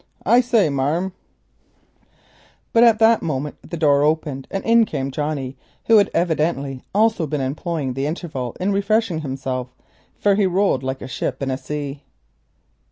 I say, marm——" But at that moment the door opened, and in came Johnnie, who had evidently also been employing the interval in refreshing himself, for he rolled like a ship in a sea.